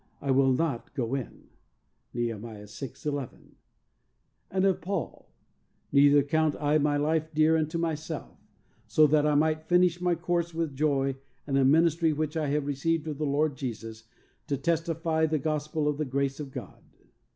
I will not go in." (Neh. 6: ii.) And of Paul, "Neither count I my life dear unto myself, so that I might finish my course with joy 16 THE soul winner's SECRET. and the ministry which I have received of the Lord Jesus to testify the gospel of the grace of God."